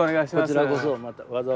こちらこそ。